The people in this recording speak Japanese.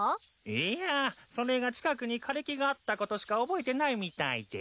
いやそれが近くに枯れ木があったことしか覚えてないみたいで。